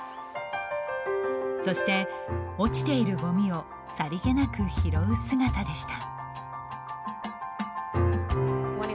そして落ちているごみをさりげなく拾う姿でした。